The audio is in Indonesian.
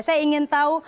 saya ingin tahu